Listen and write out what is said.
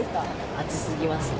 暑すぎますね。